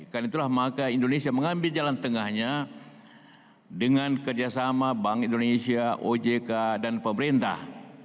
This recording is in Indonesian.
karena itulah maka indonesia mengambil jalan tengahnya dengan kerjasama bank indonesia ojk dan pemerintah